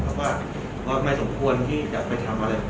เพราะว่าไม่สมควรที่จะไปทำอะไรกับใคร